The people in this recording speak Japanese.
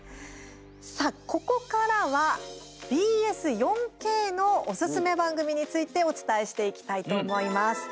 さあ、ここからはＢＳ４Ｋのおすすめ番組についてお伝えしていきたいと思います。